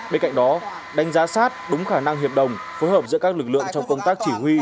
bên cạnh đó đánh giá sát đúng khả năng hiệp đồng phối hợp giữa các lực lượng trong công tác chỉ huy